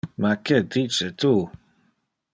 Ma que dice tu?